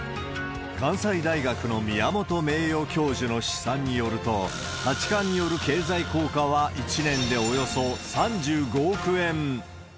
関西大学の宮本名誉教授の試算によると、八冠による経済効果は、１年でおよそ３５億円。